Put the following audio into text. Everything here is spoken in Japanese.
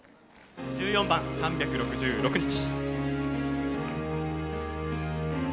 １４番「３６６日」。